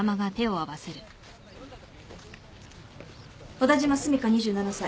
小田島澄香２７歳。